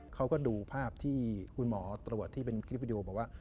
เขาก็ดูภาพที่คุณหมอตรวจที่เป็นคลิปวิดีโอบอกว่า